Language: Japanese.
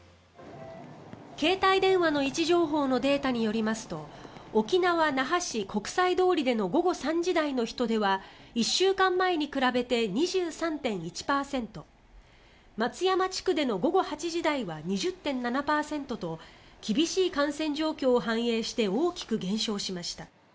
携帯電話の位置情報のデータによりますと沖縄・那覇市国際通りでの午後３時台の人出は１週間前に比べて２３．１％松山地区での午後８時台は２０．７％と厳しい感染状況を反映して大きく減少しました。